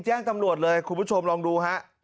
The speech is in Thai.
แจ้งตำรวจเลยคุณผู้ชมลองดูฮะ